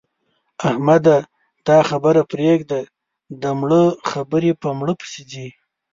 احمده! دا خبرې پرېږده؛ د مړه خبرې په مړه پسې ځي.